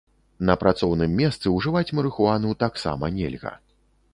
На працоўным месцы ўжываць марыхуану таксама нельга.